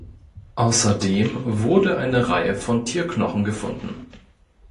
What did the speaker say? Außerdem wurde eine Reihe von Tierknochen gefunden.